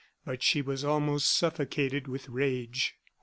But she was almost suffocated with rage.